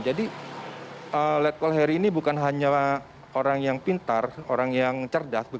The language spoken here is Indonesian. jadi letkol heri ini bukan hanya orang yang pintar orang yang cerdas